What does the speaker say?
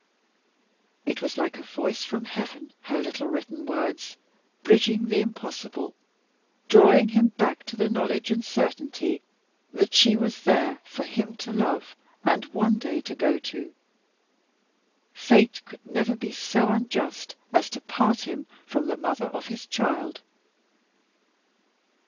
It was like a voice from heaven, her little written words, bridging the impossible drawing him back to the knowledge and certainty that she was there, for him to love, and one day to go to. Fate could never be so unjust as to part him from the mother of his child.